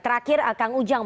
terakhir kang ujang